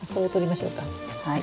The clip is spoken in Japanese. はい。